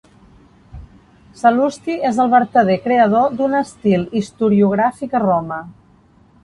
Sal·lusti és el vertader creador d'un estil historiogràfic a Roma.